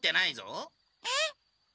えっ？